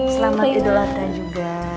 selamat tidur ada juga